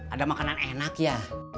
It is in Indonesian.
ada makanan enak ya